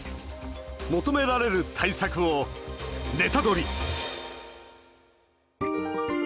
求められる対策をネタドリ！